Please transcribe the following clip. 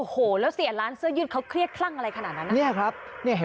โอ้โหแล้วเสียร้านเสื้อยืดเขาเครียดคลั่งอะไรขนาดนั้น